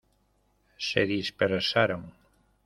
se dispersaron.